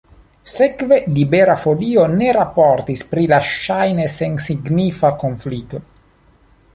Sekve Libera Folio ne raportis pri la ŝajne sensignifa konflikto.